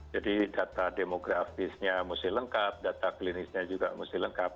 jadi data demografisnya mesti lengkap data klinisnya juga mesti lengkap